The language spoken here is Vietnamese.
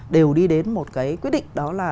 đều đi đến một cái quyết định đó là